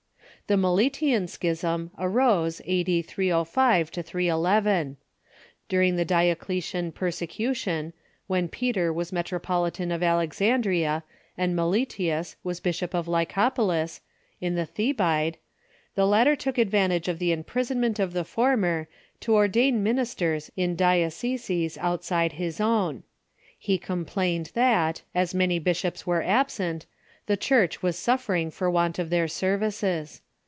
The Meletian schism arose a.d. 305 311. During the Dio cletian persecution, when Peter was metropolitan of Alexan dria and Meletius was bishop of Lycopolis, in Meletian Schism ^^^ Thebaid, the latter took advantage of the imprisonment of the former to ordain ministers in dioceses outside his own. He complained that, as many bishops were absent, the Church was suffering for want of their services.